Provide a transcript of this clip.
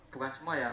bukan semua ya